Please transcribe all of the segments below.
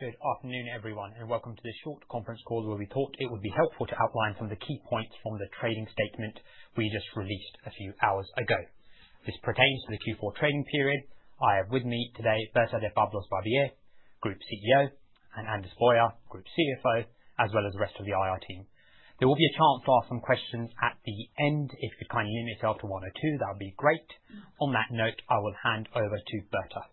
Good afternoon, everyone, and welcome to this short conference call where we thought it would be helpful to outline some of the key points from the trading statement we just released a few hours ago. This pertains to the Q4 trading period. I have with me today Berta de Pablos-Barbier, Group CEO, and Anders Boyer, Group CFO, as well as the rest of the IR team. There will be a chance to ask some questions at the end. If you could kindly limit yourself to one or two, that would be great. On that note, I will hand over to Berta.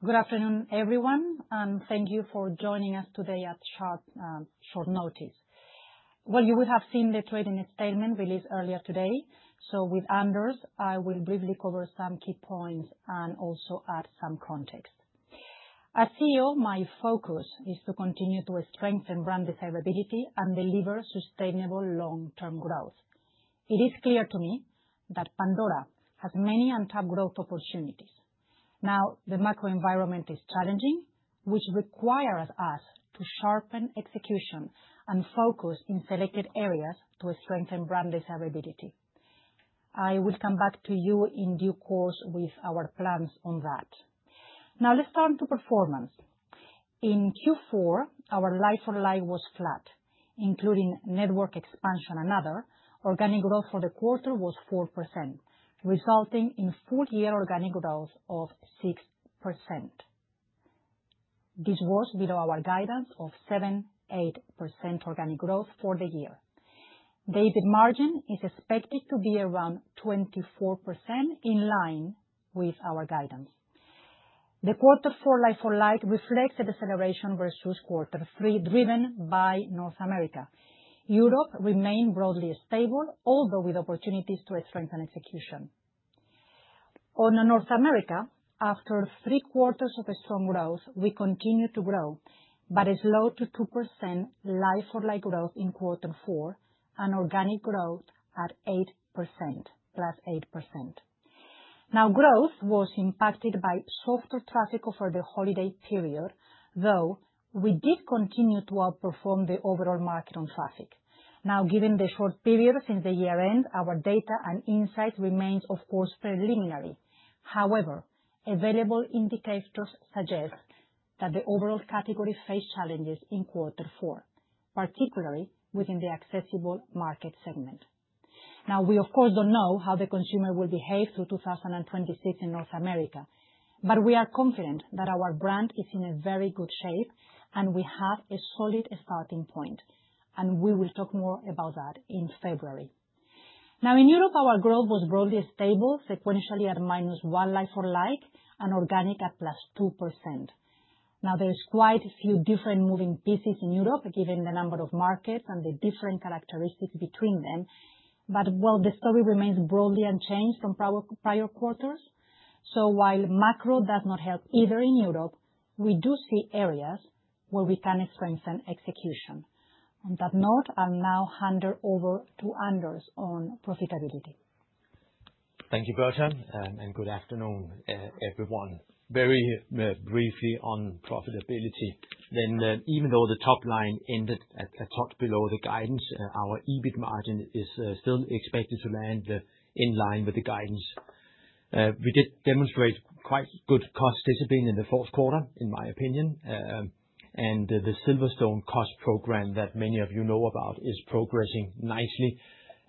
Good afternoon, everyone, and thank you for joining us today at short notice. You would have seen the trading statement released earlier today. With Anders, I will briefly cover some key points and also add some context. As CEO, my focus is to continue to strengthen brand desirability and deliver sustainable long-term growth. It is clear to me that Pandora has many untapped growth opportunities. Now, the macro environment is challenging, which requires us to sharpen execution and focus in selected areas to strengthen brand desirability. I will come back to you in due course with our plans on that. Now, let's turn to performance. In Q4, our like-for-like was flat, including network expansion and other. Organic growth for the quarter was 4%, resulting in full-year organic growth of 6%. This was below our guidance of 7%-8% organic growth for the year. EBIT margin is expected to be around 24%, in line with our guidance. The quarter four like-for-like reflects the deceleration versus quarter three driven by North America. Europe remained broadly stable, although with opportunities to strengthen execution. On North America, after three quarters of strong growth, we continue to grow, but a slow 2% like-for-like growth in quarter four and organic growth at 8%, plus 8%. Now, growth was impacted by softer traffic over the holiday period, though we did continue to outperform the overall market on traffic. Now, given the short period since the year-end, our data and insights remain, of course, preliminary. However, available indicators suggest that the overall category faced challenges in quarter four, particularly within the accessible market segment. Now, we, of course, don't know how the consumer will behave through 2026 in North America, but we are confident that our brand is in very good shape and we have a solid starting point. And we will talk more about that in February. Now, in Europe, our growth was broadly stable, sequentially at minus 1% like-for-like and organic at plus 2%. Now, there are quite a few different moving pieces in Europe, given the number of markets and the different characteristics between them. But, well, the story remains broadly unchanged from prior quarters. So, while macro does not help either in Europe, we do see areas where we can strengthen execution. On that note, I'll now hand over to Anders on profitability. Thank you, Berta, and good afternoon, everyone. Very briefly on profitability. Then, even though the top line ended a touch below the guidance, our EBIT margin is still expected to land in line with the guidance. We did demonstrate quite good cost discipline in the fourth quarter, in my opinion, and the Silverstone cost program that many of you know about is progressing nicely,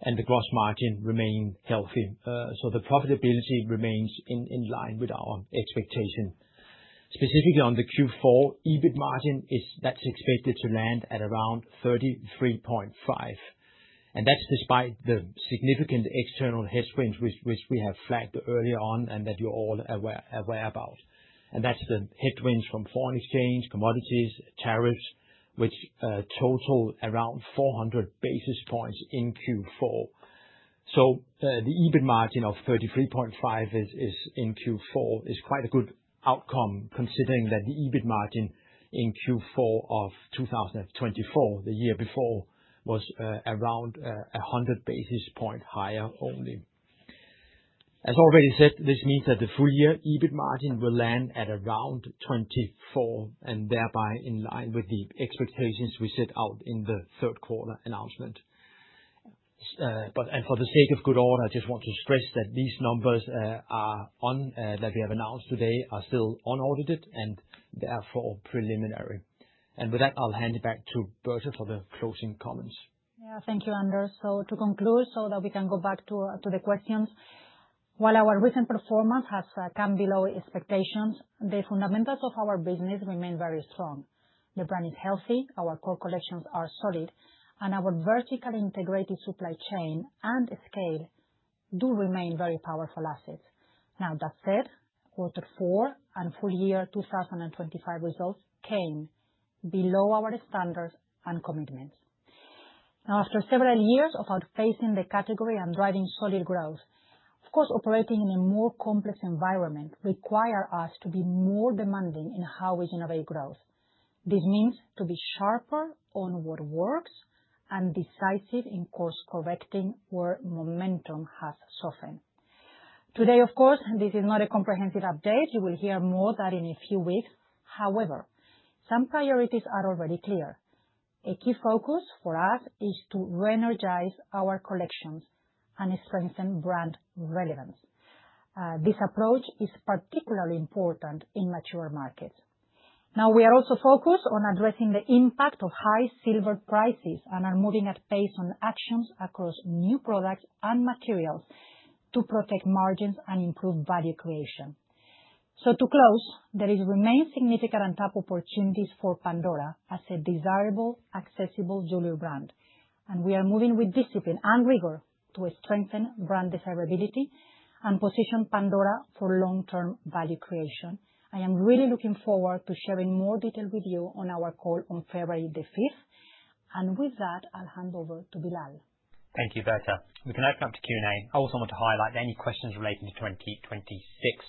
and the gross margin remained healthy. So, the profitability remains in line with our expectation. Specifically, on the Q4, EBIT margin is expected to land at around 33.5%. And that's despite the significant external headwinds which we have flagged earlier on and that you're all aware about. And that's the headwinds from foreign exchange, commodities, tariffs, which total around 400 basis points in Q4. The EBIT margin of 33.5% in Q4 is quite a good outcome, considering that the EBIT margin in Q4 of 2024, the year before, was around 100 basis points higher only. As already said, this means that the full-year EBIT margin will land at around 24% and thereby in line with the expectations we set out in the third quarter announcement. For the sake of good order, I just want to stress that these numbers that we have announced today are still unaudited and therefore preliminary. With that, I'll hand it back to Berta for the closing comments. Yeah, thank you, Anders. So, to conclude, so that we can go back to the questions, while our recent performance has come below expectations, the fundamentals of our business remain very strong. The brand is healthy, our core collections are solid, and our vertically integrated supply chain and scale do remain very powerful assets. Now, that said, quarter four and full-year 2025 results came below our standards and commitments. Now, after several years of outpacing the category and driving solid growth, of course, operating in a more complex environment requires us to be more demanding in how we generate growth. This means to be sharper on what works and decisive in course correcting where momentum has softened. Today, of course, this is not a comprehensive update. You will hear more of that in a few weeks. However, some priorities are already clear. A key focus for us is to re-energize our collections and strengthen brand relevance. This approach is particularly important in mature markets. Now, we are also focused on addressing the impact of high silver prices and are moving at pace on actions across new products and materials to protect margins and improve value creation. So, to close, there remain significant untapped opportunities for Pandora as a desirable, accessible jewelry brand. And we are moving with discipline and rigor to strengthen brand desirability and position Pandora for long-term value creation. I am really looking forward to sharing more details with you on our call on February the 5th. And with that, I'll hand over to Bilal. Thank you, Berta. We can open up to Q&A. I also want to highlight any questions relating to 2026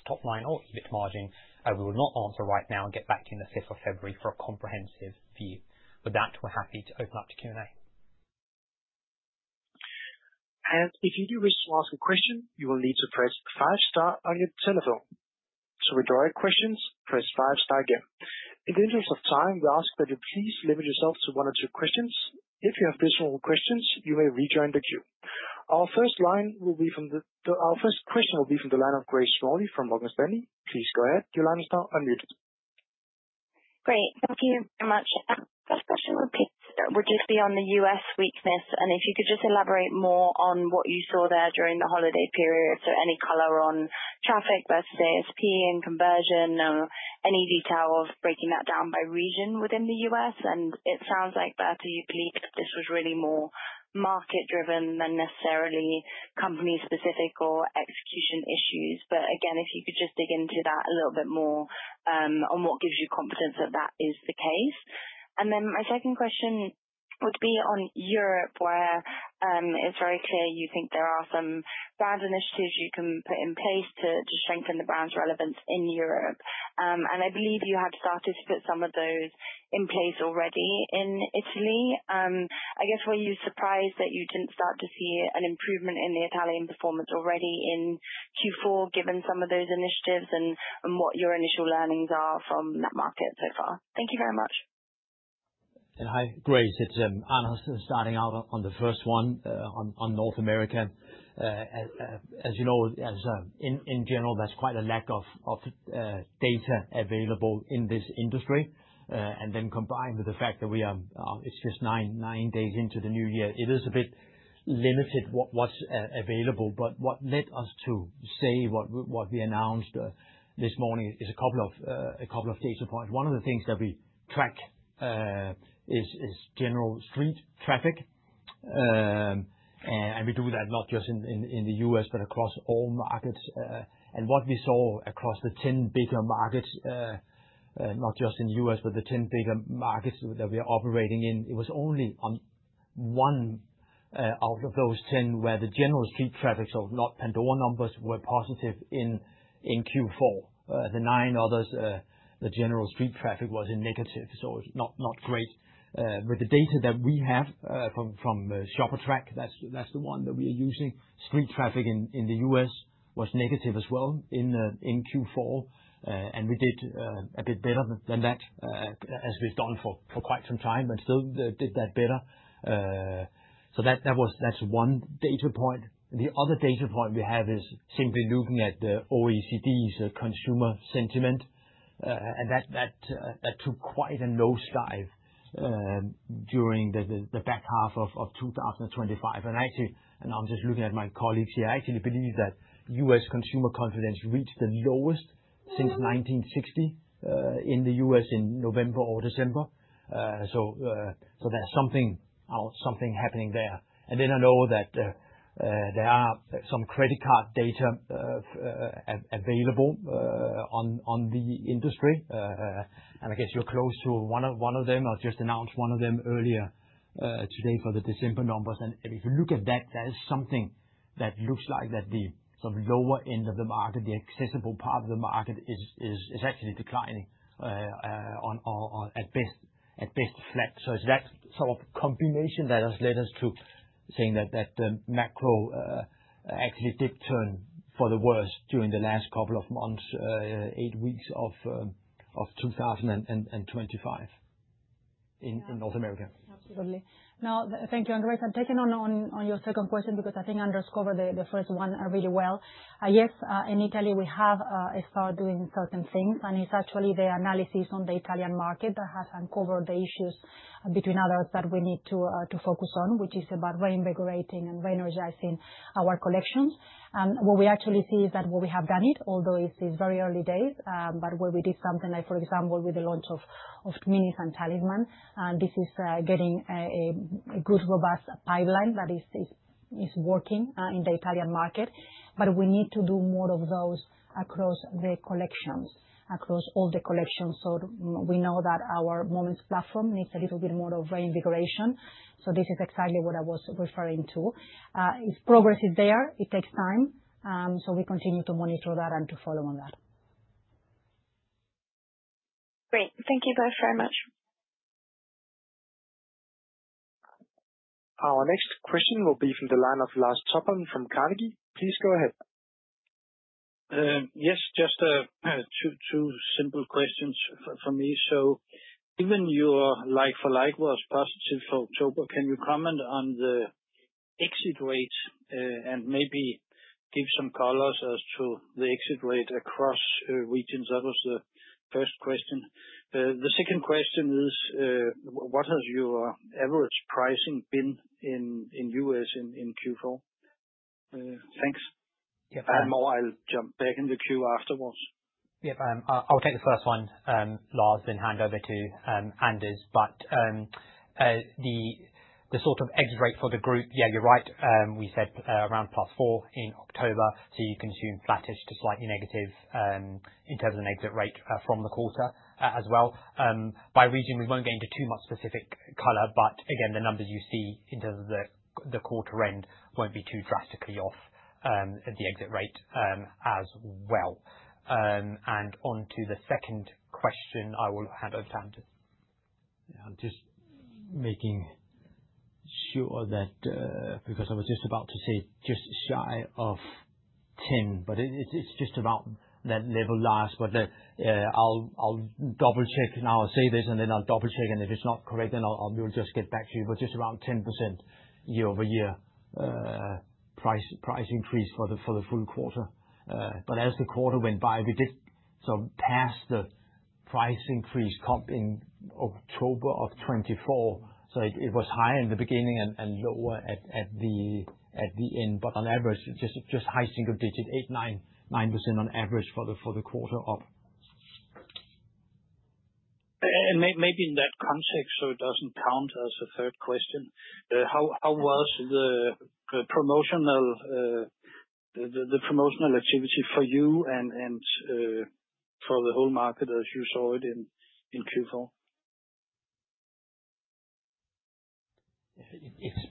top line or EBIT margin. We will not answer right now and get back to you on the 5th of February for a comprehensive view. With that, we're happy to open up to Q&A. If you do wish to ask a question, you will need to press five-star on your telephone. So, regarding questions, press five-star again. In the interest of time, we ask that you please limit yourself to one or two questions. If you have additional questions, you may rejoin the queue. Our first question will be from the line of Grace Smalley from Morgan Stanley. Please go ahead. Your line is now unmuted. Great. Thank you very much. First question would just be on the U.S. weakness, and if you could just elaborate more on what you saw there during the holiday period, so any color on traffic versus ASP and conversion. Any detail of breaking that down by region within the U.S.? And it sounds like, Berta, you believe that this was really more market-driven than necessarily company-specific or execution issues, but again, if you could just dig into that a little bit more on what gives you confidence that that is the case. And then my second question would be on Europe, where it's very clear you think there are some brand initiatives you can put in place to strengthen the brand's relevance in Europe, and I believe you have started to put some of those in place already in Italy. I guess, were you surprised that you didn't start to see an improvement in the Italian performance already in Q4, given some of those initiatives and what your initial learnings are from that market so far? Thank you very much. Hi, Grace. It's Anders starting out on the first one on North America. As you know, in general, there's quite a lack of data available in this industry. And then combined with the fact that we are. It's just nine days into the new year. It is a bit limited what's available. But what led us to say what we announced this morning is a couple of data points. One of the things that we track is general street traffic. And we do that not just in the US, but across all markets. And what we saw across the 10 bigger markets, not just in the US, but the 10 bigger markets that we are operating in, it was only on one out of those 10 where the general street traffic, so not Pandora numbers, were positive in Q4. The nine others, the general street traffic was negative, so not great. With the data that we have from ShopperTrak, that's the one that we are using, street traffic in the U.S. was negative as well in Q4, and we did a bit better than that, as we've done for quite some time, and still did that better, so that's one data point. The other data point we have is simply looking at the OECD's consumer sentiment, and that took quite a nosedive during the back half of 2025, and I'm just looking at my colleagues here. I actually believe that U.S. consumer confidence reached the lowest since 1960 in the U.S. in November or December, so there's something happening there, and then I know that there are some credit card data available on the industry, and I guess you're close to one of them. I just announced one of them earlier today for the December numbers. And if you look at that, there is something that looks like the sort of lower end of the market, the accessible part of the market, is actually declining, at best, flat. So it's that sort of combination that has led us to saying that the macro actually did turn for the worse during the last couple of months, eight weeks of 2025 in North America. Absolutely. Now, thank you, Anders. I'm taking on your second question because I think Anders covered the first one really well. Yes, in Italy, we have started doing certain things, and it's actually the analysis on the Italian market that has uncovered the issues, between others, that we need to focus on, which is about reinvigorating and re-energizing our collections, and what we actually see is that what we have done it, although it's very early days, but where we did something like, for example, with the launch of Minis and Talisman, this is getting a good, robust pipeline that is working in the Italian market. But we need to do more of those across the collections, across all the collections, so we know that our Moments platform needs a little bit more of reinvigoration, so this is exactly what I was referring to. Progress is there. It takes time. We continue to monitor that and to follow on that. Great. Thank you both very much. Our next question will be from the line of Lars Topholm from Carnegie. Please go ahead. Yes, just two simple questions for me. So given your like-for-like was positive for October, can you comment on the exit rate and maybe give some colors as to the exit rate across regions? That was the first question. The second question is, what has your average pricing been in US in Q4? Thanks. Yeah, if I had more, I'll jump back in the queue afterwards. Yeah, I'll take the first one, Lars, then hand over to Anders. But the sort of exit rate for the group, yeah, you're right. We said around plus four in October. So you assume flattish to slightly negative in terms of an exit rate from the quarter as well. By region, we won't get into too much specific color. But again, the numbers you see in terms of the quarter end won't be too drastically off the exit rate as well. And on to the second question, I will hand over to Anders. Yeah, I'm just making sure that because I was just about to say just shy of 10, but it's just about that level, Lars. I'll double-check. Now, I'll say this and then I'll double-check. If it's not correct, then we'll just get back to you. Just around 10% year-over-year price increase for the full quarter. As the quarter went by, we did sort of pass the price increase comp in October of 2024. It was higher in the beginning and lower at the end. On average, just high single digit, 8%, 9% on average for the quarter up. And maybe in that context, so it doesn't count as a third question, how was the promotional activity for you and for the whole market as you saw it in Q4? It's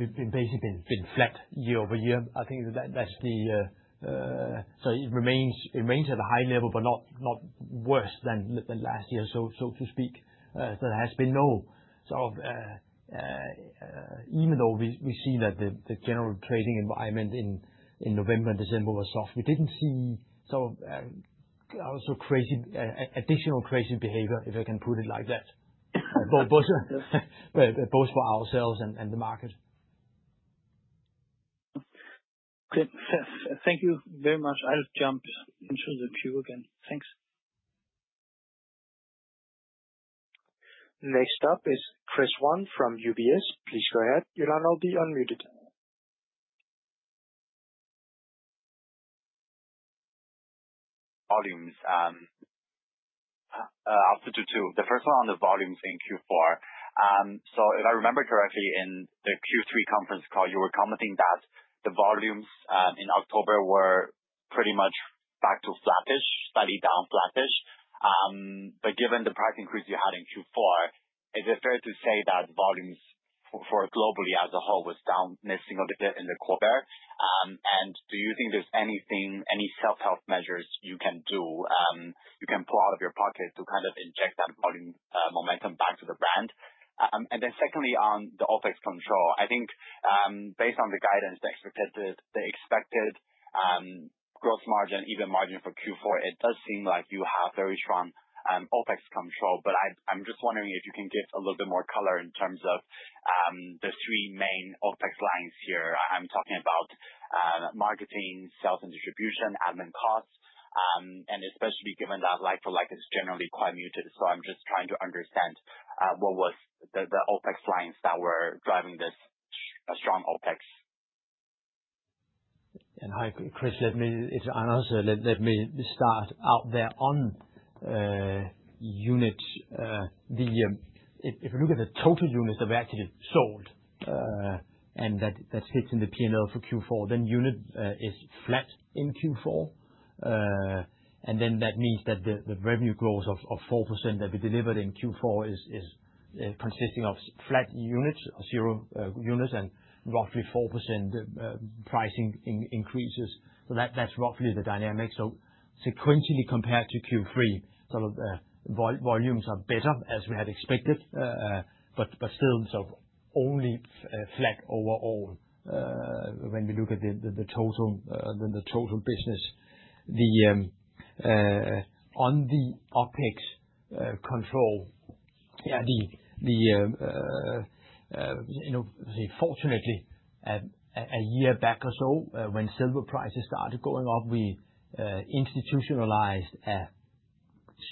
basically been flat year-over-year. I think that's so it remains at a high level, but not worse than last year, so to speak. So there has been no sort of, even though we've seen that the general trading environment in November and December was soft, we didn't see sort of also additional crazy behavior, if I can put it like that, both for ourselves and the market. Great. Thank you very much. I'll jump into the queue again. Thanks. Next up is Chris Wan from UBS. Please go ahead. You'll now be unmuted. Volumes. I'll stick to two. The first one on the volumes in Q4. So if I remember correctly, in the Q3 conference call, you were commenting that the volumes in October were pretty much back to flattish, slightly down flattish. But given the price increase you had in Q4, is it fair to say that volumes for globally as a whole was down a single digit in the quarter? And do you think there's any self-help measures you can do, you can pull out of your pocket to kind of inject that volume momentum back to the brand? And then secondly, on the OPEX control, I think based on the guidance, the expected gross margin, EBIT margin for Q4, it does seem like you have very strong OPEX control. But I'm just wondering if you can give a little bit more color in terms of the three main OpEx lines here. I'm talking about marketing, sales and distribution, admin costs. And especially given that like-for-like is generally quite muted. So I'm just trying to understand what was the OpEx lines that were driving this strong OpEx. Hi, Chris. Also, let me start out there on units. If you look at the total units that were actually sold and that fits in the P&L for Q4, then unit is flat in Q4. That means that the revenue growth of 4% that we delivered in Q4 is consisting of flat units, zero units, and roughly 4% pricing increases. That's roughly the dynamic. Sequentially compared to Q3, sort of volumes are better as we had expected. Still, sort of only flat overall when we look at the total business. On the OpEx control, yeah, fortunately, a year back or so, when silver prices started going up, we institutionalized a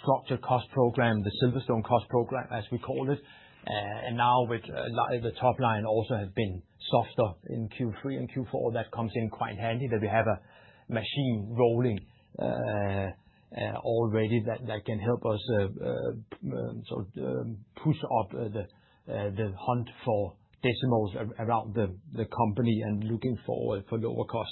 structured cost program, the Silverstone cost program, as we call it. Now the top line also has been softer in Q3 and Q4. That comes in quite handy that we have a machine rolling already that can help us sort of push up the hunt for decimals around the company and looking forward for lower cost.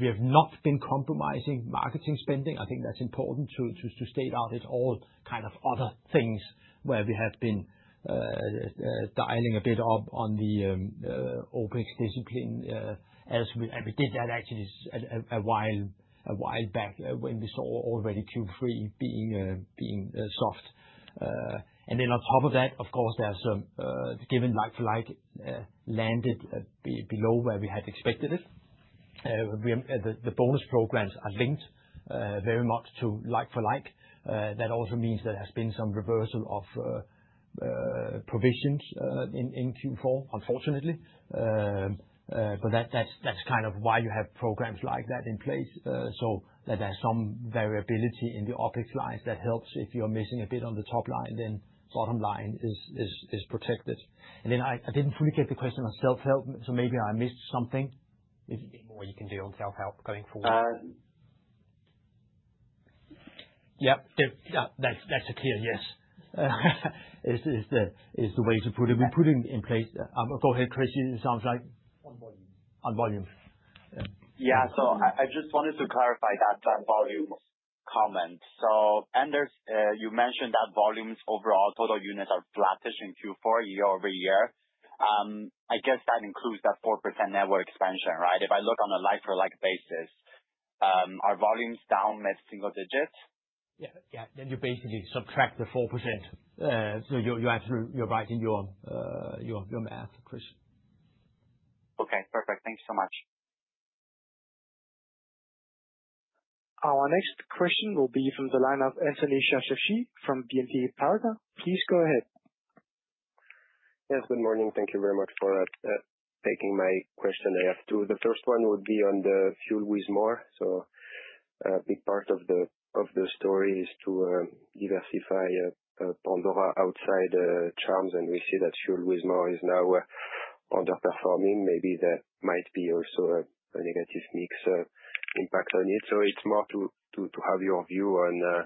We have not been compromising marketing spending. I think that's important to straight out. It's all kind of other things where we have been dialing a bit up on the OpEx discipline, and we did that actually a while back when we saw already Q3 being soft, and then on top of that, of course, the like-for-like landed below where we had expected it. The bonus programs are linked very much to like-for-like. That also means there has been some reversal of provisions in Q4, unfortunately, but that's kind of why you have programs like that in place. So that there's some variability in the OpEx lines that helps if you're missing a bit on the top line, then bottom line is protected. And then I didn't fully get the question on self-help. So maybe I missed something. Is there anything more you can do on self-help going forward? Yeah. That's a clear yes. It's the way to put it. We put in place. Go ahead, Chris. It sounds like. On volume. On volume. Yeah. So I just wanted to clarify that volume comment. So Anders, you mentioned that volumes overall, total units are flattish in Q4 year-over-year. I guess that includes that 4% network expansion, right? If I look on a like-for-like basis, are volumes down mid-single digit? Yeah. Yeah. Then you basically subtract the 4%. So you're right in your math, Chris. Okay. Perfect. Thank you so much. Our next question will be from the line of Anthony Charchafji from BNP Paribas. Please go ahead. Yes. Good morning. Thank you very much for taking my question. I have two. The first one would be on the Fuel with more. So a big part of the story is to diversify Pandora outside charms. And we see that Fuel with more is now underperforming. Maybe that might be also a negative mix impact on it. So it's more to have your view on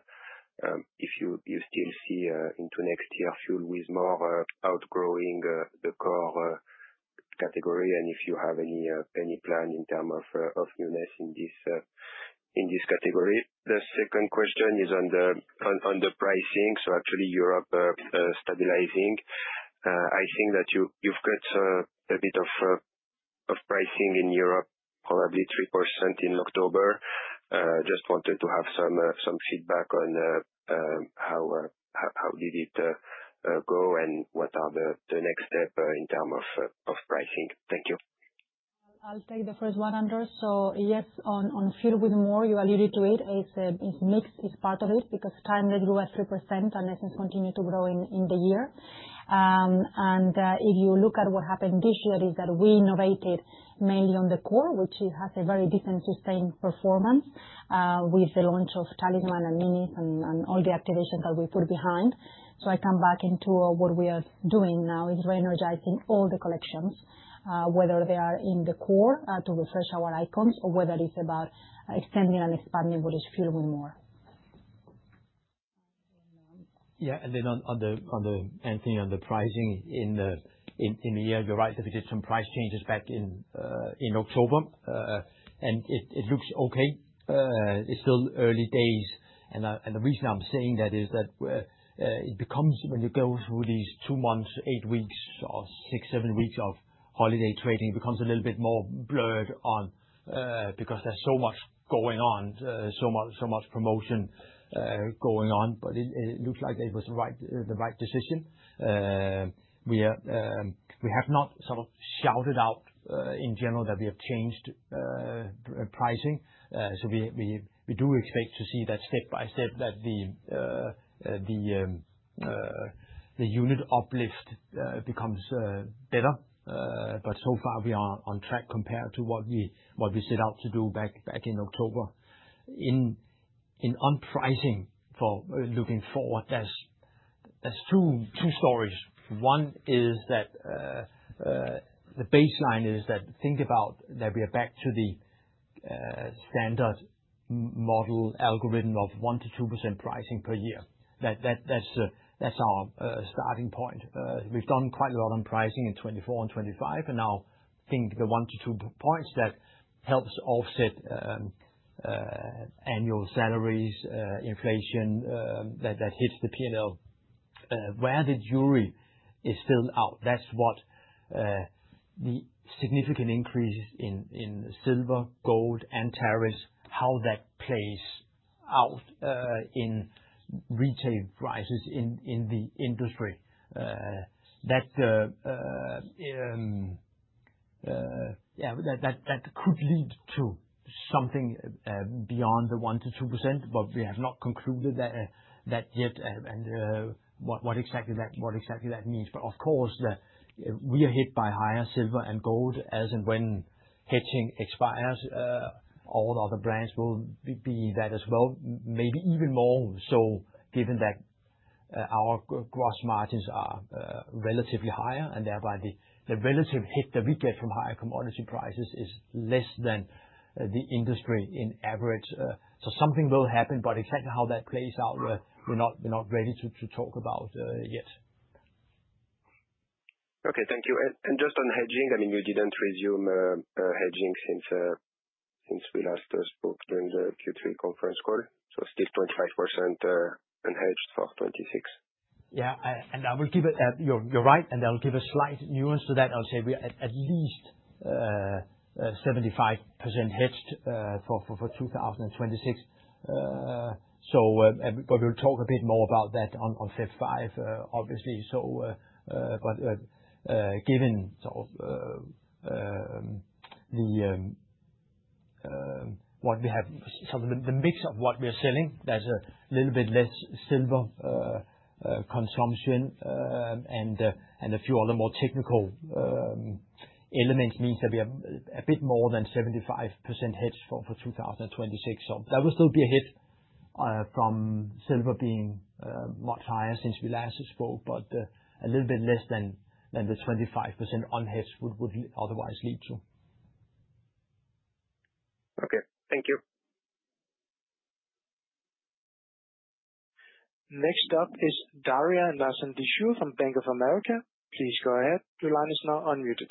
if you still see into next year Fuel with more outgrowing the core category and if you have any plan in terms of newness in this category. The second question is on the pricing. So actually, Europe is stabilizing. I think that you've got a bit of pricing in Europe, probably 3% in October. Just wanted to have some feedback on how did it go and what are the next step in terms of pricing. Thank you. I'll take the first one, Anders. So yes, on Fuel with more, you alluded to it. It's mixed. It's part of it because Timeless grew at 3% and Essence continued to grow in the year. And if you look at what happened this year, it's that we innovated mainly on the core, which has a very decent sustained performance with the launch of Talisman and Minis and all the activations that we put behind. So I come back into what we are doing now is re-energizing all the collections, whether they are in the core to refresh our icons or whether it's about extending and expanding what is Fuel with more. Yeah. And then on Anthony, on the pricing in the year, you're right that we did some price changes back in October. And it looks okay. It's still early days. And the reason I'm saying that is that it becomes, when you go through these two months, eight weeks, or six, seven weeks of holiday trading, it becomes a little bit more blurred because there's so much going on, so much promotion going on. But it looks like it was the right decision. We have not sort of shouted out in general that we have changed pricing. So we do expect to see that step by step that the unit uplift becomes better. But so far, we are on track compared to what we set out to do back in October. And on pricing for looking forward, there's two stories. One is that the baseline is, think about that, we are back to the standard model algorithm of 1%-2% pricing per year. That's our starting point. We've done quite a lot on pricing in 2024 and 2025, and now think the 1%-2 points that helps offset annual salaries, inflation that hits the P&L, where the jury is still out. That's what the significant increase in silver, gold, and tariffs, how that plays out in retail prices in the industry. Yeah, that could lead to something beyond the 1%-2%, but we have not concluded that yet and what exactly that means, but of course, we are hit by higher silver and gold as and when hedging expires. All other brands will be that as well, maybe even more. So given that our gross margins are relatively higher and thereby the relative hit that we get from higher commodity prices is less than the industry in average. So something will happen. But exactly how that plays out, we're not ready to talk about yet. Okay. Thank you. And just on hedging, I mean, you didn't resume hedging since we last spoke during the Q3 conference call. So still 25% unhedged for 2026. Yeah. And I'll give it. You're right. And I'll give a slight nuance to that. I'll say we are at least 75% hedged for 2026. But we'll talk a bit more about that on February 5, obviously. But given sort of what we have, sort of the mix of what we are selling, there's a little bit less silver consumption and a few other more technical elements means that we have a bit more than 75% hedged for 2026. So that will still be a hit from silver being much higher since we last spoke, but a little bit less than the 25% unhedged would otherwise lead to. Okay. Thank you. Next up is Daria Nasledysheva from Bank of America. Please go ahead. Your line is now unmuted.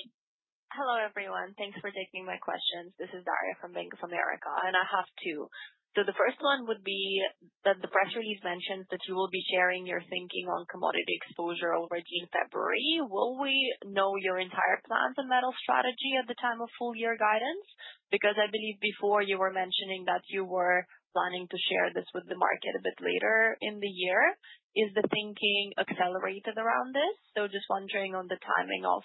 Hello everyone. Thanks for taking my questions. This is Daria from Bank of America, and I have two. So the first one would be that the press release mentions that you will be sharing your thinking on commodity exposure already in February. Will we know your entire plans and metal strategy at the time of full year guidance? Because I believe before you were mentioning that you were planning to share this with the market a bit later in the year. Is the thinking accelerated around this? So just wondering on the timing of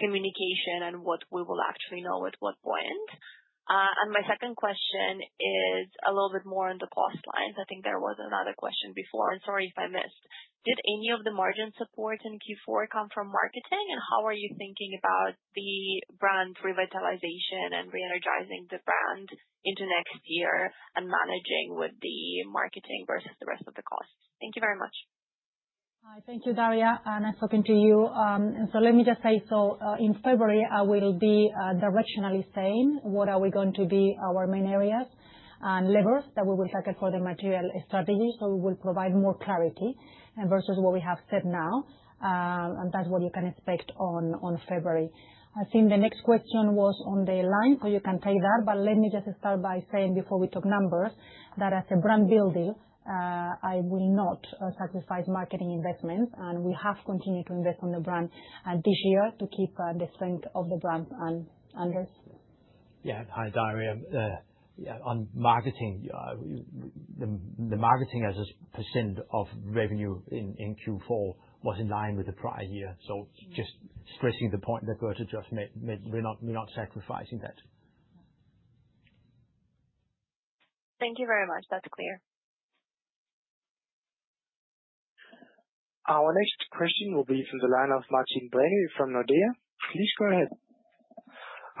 communication and what we will actually know at what point. And my second question is a little bit more on the cost lines. I think there was another question before, and sorry if I missed. Did any of the margin support in Q4 come from marketing? How are you thinking about the brand revitalization and re-energizing the brand into next year and managing with the marketing versus the rest of the costs? Thank you very much. Hi. Thank you, Daria. Nice talking to you, and so let me just say, so in February, I will be directionally saying what are we going to be our main areas and levers that we will tackle for the material strategy, so we will provide more clarity versus what we have said now, and that's what you can expect on February. I think the next question was on the line, so you can take that, but let me just start by saying before we talk numbers that as a brand builder, I will not sacrifice marketing investments, and we have continued to invest on the brand this year to keep the strength of the brand, and Anders. Yeah. Hi, Daria. On marketing, the marketing as a % of revenue in Q4 was in line with the prior year. So just stressing the point that we're just not sacrificing that. Thank you very much. That's clear. Our next question will be from the line of Martin Brenøe from Nordea. Please go ahead.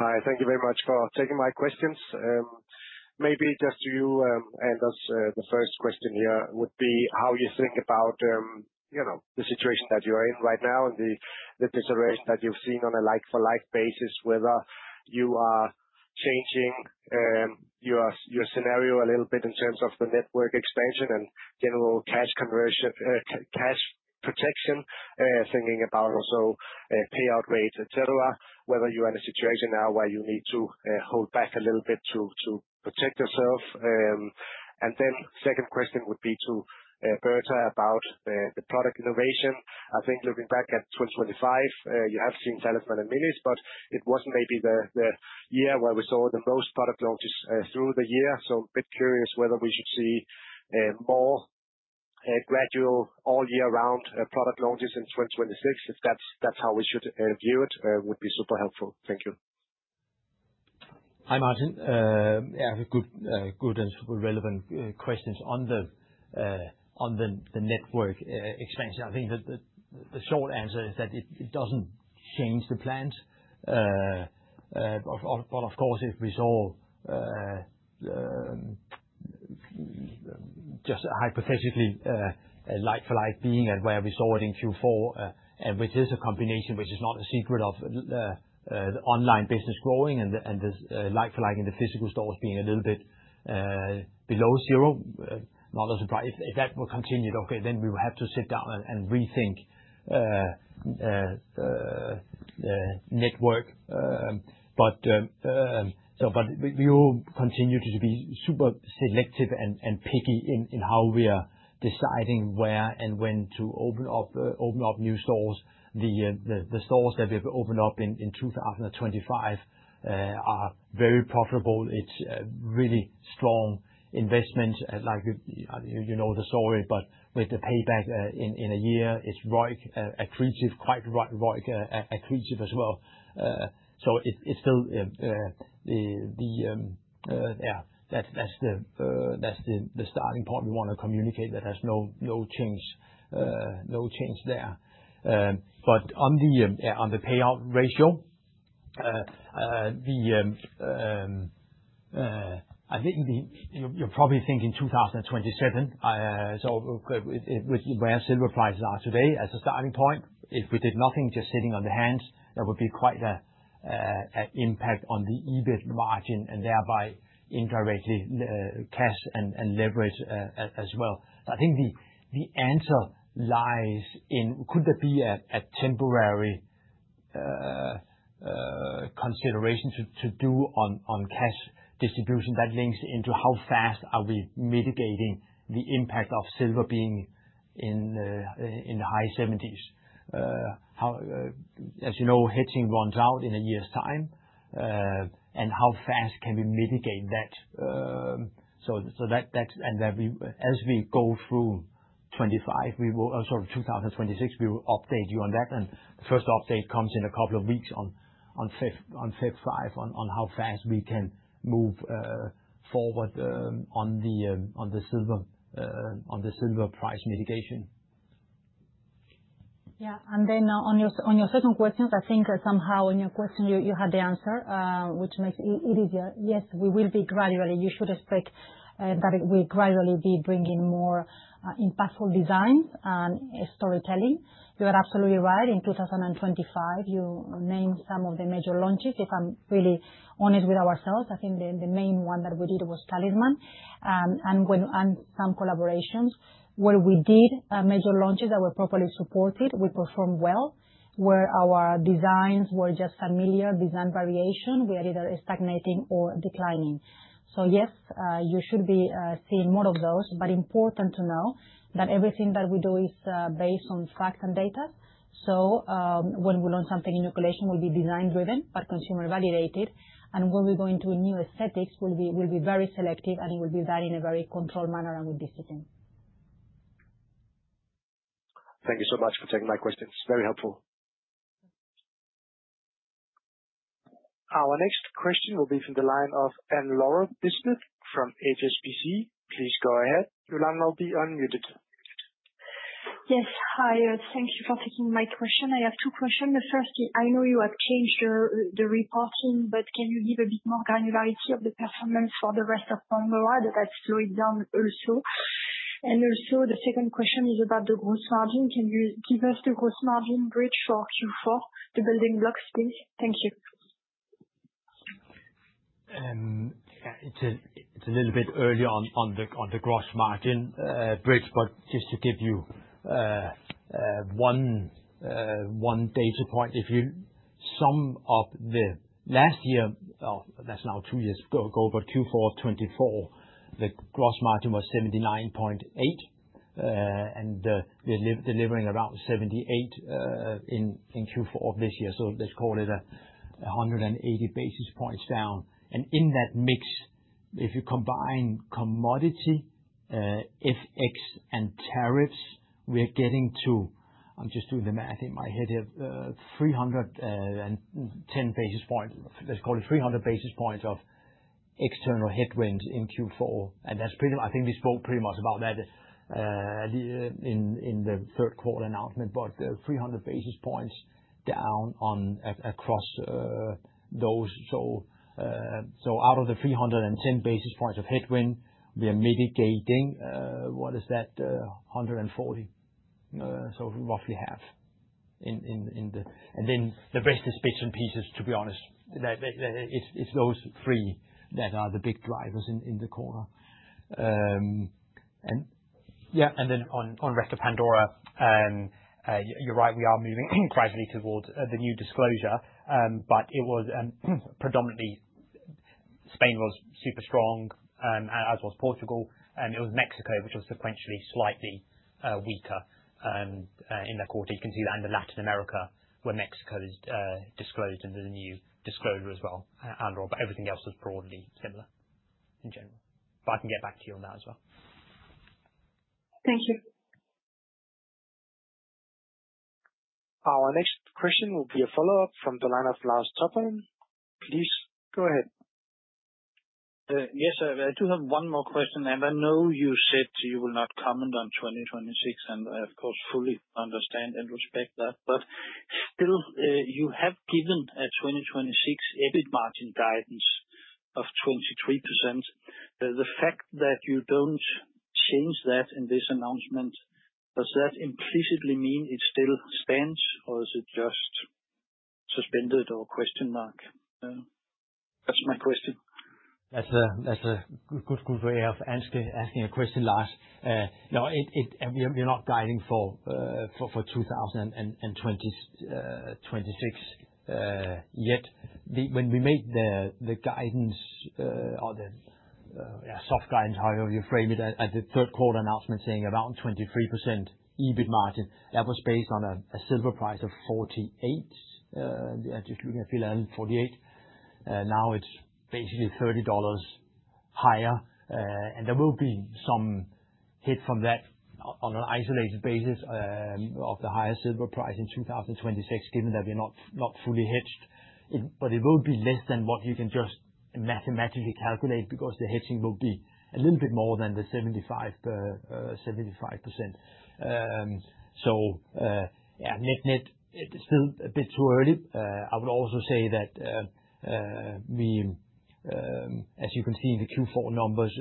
Hi. Thank you very much for taking my questions. Maybe just to you and us, the first question here would be how you think about the situation that you are in right now and the deterioration that you've seen on a like-for-like basis, whether you are changing your scenario a little bit in terms of the network expansion and general cash protection, thinking about also payout rates, etc., whether you are in a situation now where you need to hold back a little bit to protect yourself. And then second question would be to Berta about the product innovation. I think looking back at 2025, you have seen Talisman and Minis, but it wasn't maybe the year where we saw the most product launches through the year. So I'm a bit curious whether we should see more gradual all-year-round product launches in 2026. If that's how we should view it, it would be super helpful. Thank you. Hi, Martin. Yeah, good and super relevant questions on the network expansion. I think the short answer is that it doesn't change the plans. But of course, if we saw just hypothetically like-for-like being and where we saw it in Q4, and which is a combination which is not a secret of online business growing and like-for-like in the physical stores being a little bit below zero, not a surprise. If that were continued, okay, then we will have to sit down and rethink the network. But we will continue to be super selective and picky in how we are deciding where and when to open up new stores. The stores that we have opened up in 2025 are very profitable. It's really strong investments. You know the story, but with the payback in a year, it's quite real, accretive as well. It's still the, yeah, that's the starting point we want to communicate that has no change, no change there. But on the payout ratio, I think you're probably thinking 2027. Where silver prices are today as a starting point, if we did nothing, just sitting on the hands, that would be quite an impact on the EBIT margin and thereby indirectly cash and leverage as well. I think the answer lies in could there be a temporary consideration to do on cash distribution that links into how fast are we mitigating the impact of silver being in the high 70s. As you know, hedging runs out in a year's time. And how fast can we mitigate that. That and as we go through 2025, we will sort of 2026, we will update you on that. The first update comes in a couple of weeks on February 5 on how fast we can move forward on the silver price mitigation. Yeah. And then on your second question, I think somehow in your question, you had the answer, which makes it easier. Yes, we will be gradually. You should expect that we gradually be bringing more impactful designs and storytelling. You are absolutely right. In 2025, you named some of the major launches. If I'm really honest with ourselves, I think the main one that we did was Talisman and some collaborations where we did major launches that were properly supported, we performed well where our designs were just familiar design variation. We are either stagnating or declining. So yes, you should be seeing more of those. But important to know that everything that we do is based on facts and data. So when we launch something in new collection, we'll be design-driven but consumer-validated. When we go into new aesthetics, we'll be very selective and it will be done in a very controlled manner and with discipline. Thank you so much for taking my questions. Very helpful. Our next question will be from the line of Anne-Laure Boursier from HSBC. Please go ahead. Your line will be unmuted. Yes. Hi, thank you for taking my question. I have two questions. The first, I know you have changed the reporting, but can you give a bit more granularity of the performance for the rest of Pandora that slowed down also? And also the second question is about the gross margin. Can you give us the gross margin bridge for Q4, the building blocks? Thank you. It's a little bit early on the gross margin bridge, but just to give you one data point, if you sum up the last year, that's now two years ago, but Q4 2024, the gross margin was 79.8% and we're delivering around 78% in Q4 this year. So let's call it 180 basis points down. And in that mix, if you combine commodity, FX, and tariffs, we're getting to, I'm just doing the math in my head here, 310 basis points. Let's call it 300 basis points of external headwinds in Q4. And that's pretty much, I think we spoke pretty much about that in the third quarter announcement, but 300 basis points down across those. So out of the 310 basis points of headwind, we are mitigating what is that, 140? So roughly half in the, and then the rest is bits and pieces, to be honest. It's those three that are the big drivers in the corner. And yeah. And then on record, Pandora, you're right, we are moving gradually towards the new disclosure, but it was predominantly Spain was super strong, as was Portugal. And it was Mexico, which was sequentially slightly weaker in that quarter. You can see that in Latin America where Mexico is disclosed into the new disclosure as well. And everything else was broadly similar in general. But I can get back to you on that as well. Thank you. Our next question will be a follow-up from the line of Lars Topholm. Please go ahead. Yes, I do have one more question. And I know you said you will not comment on 2026, and I of course fully understand and respect that. But still, you have given a 2026 EBIT margin guidance of 23%. The fact that you don't change that in this announcement, does that implicitly mean it still stands, or is it just suspended or question mark? That's my question. That's a good way of asking a question, Lars. No, we are not guiding for 2026 yet. When we made the guidance or the soft guidance, however you frame it, at the third quarter announcement saying around 23% EBIT margin, that was based on a silver price of $48 per ounce. Yeah, just looking at per ounce, $48. Now it's basically $30 higher. And there will be some hit from that on an isolated basis of the higher silver price in 2026, given that we are not fully hedged. But it will be less than what you can just mathematically calculate because the hedging will be a little bit more than the 75%. So yeah, net net, it's still a bit too early. I would also say that we, as you can see in the Q4 numbers,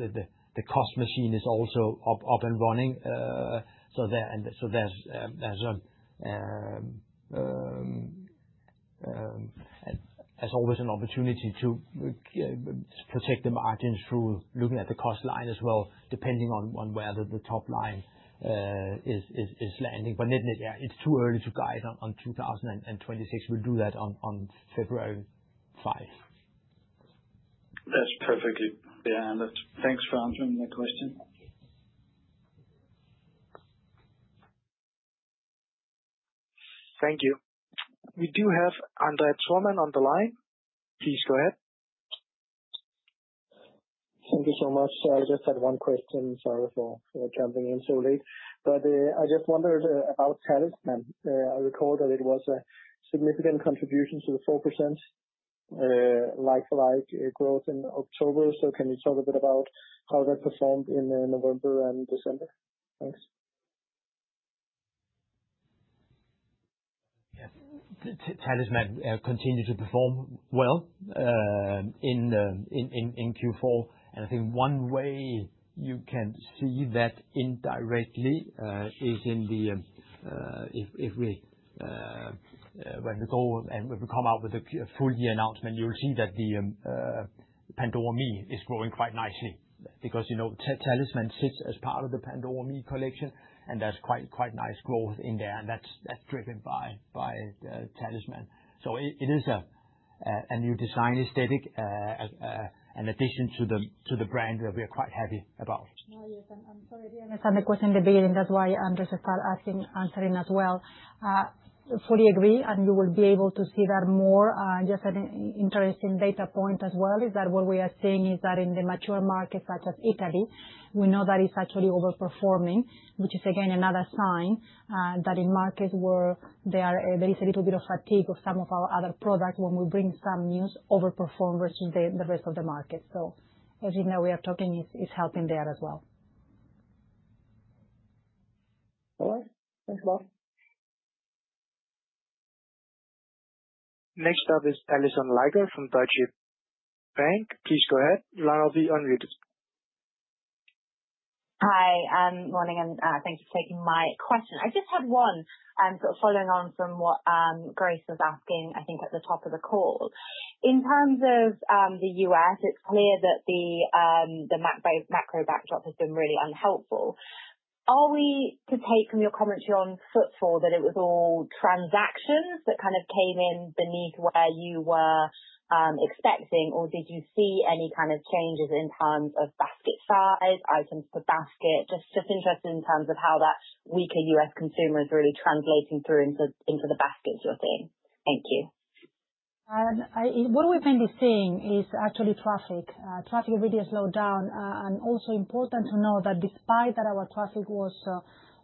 the cost machine is also up and running. So there's, as always, an opportunity to protect the margins through looking at the cost line as well, depending on where the top line is landing. But net net, yeah, it's too early to guide on 2026. We'll do that on February 5. That's perfectly clear, and thanks for answering my question. Thank you. We do have André Thormann on the line. Please go ahead. Thank you so much. I just had one question. Sorry for jumping in so late. But I just wondered about Talisman. I recall that it was a significant contribution to the 4% like-for-like growth in October. So can you talk a bit about how that performed in November and December? Thanks. Yeah. Talisman continued to perform well in Q4, and I think one way you can see that indirectly is in the, if we, when we go and we come out with a full year announcement, you'll see that the Pandora ME is growing quite nicely because Talisman sits as part of the Pandora ME collection, and there's quite nice growth in there, and that's driven by Talisman, so it is a new design aesthetic, an addition to the brand that we are quite happy about. No, yes. I'm sorry, I missed the question in the beginning. That's why André just started answering as well. Fully agree. And you will be able to see that more. Just an interesting data point as well is that what we are seeing is that in the mature markets such as Italy, we know that it's actually overperforming, which is again another sign that in markets where there is a little bit of fatigue of some of our other products when we bring some news overperform versus the rest of the market. So everything that we are talking is helping there as well. All right. Thanks, Mark. Next up is Alison Liger from Deutsche Bank. Please go ahead. Line will be unmuted. Hi, good morning, and thanks for taking my question. I just had one, and so following on from what Grace was asking, I think at the top of the call, in terms of the US, it's clear that the macro backdrop has been really unhelpful. Are we, to take from your commentary on footfall, that it was all transactions that kind of came in beneath where you were expecting, or did you see any kind of changes in terms of basket size, items per basket? Just interested in terms of how that weaker US consumer is really translating through into the baskets you're seeing. Thank you. What we've been seeing is actually traffic. Traffic really has slowed down, and also important to know that despite that our traffic was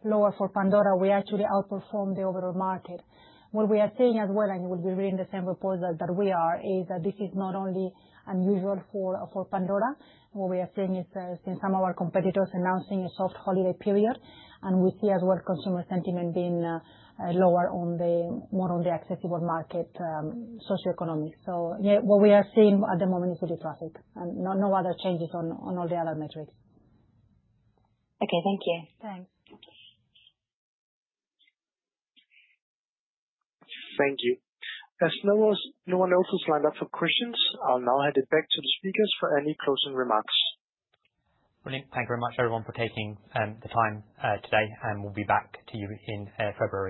lower for Pandora, we actually outperformed the overall market. What we are seeing as well, and you will be reading the same report that we are, is that this is not only unusual for Pandora. What we are seeing is some of our competitors announcing a soft holiday period, and we see as well consumer sentiment being lower on the more accessible market socioeconomic, so yeah, what we are seeing at the moment is really traffic and no other changes on all the other metrics. Okay. Thank you. Thanks. Thank you. As no one else has lined up for questions, I'll now hand it back to the speakers for any closing remarks. Brilliant. Thank you very much, everyone, for taking the time today. And we'll be back to you in February.